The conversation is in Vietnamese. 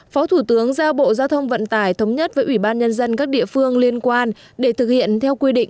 phó thủ tướng giao bộ giao thông vận tải thống nhất với ủy ban nhân dân các địa phương liên quan để thực hiện theo quy định